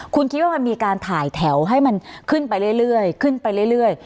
คุณคิดว่ามันมีการถ่ายแถวให้มันขึ้นไปเรื่อยขึ้นไปเรื่อย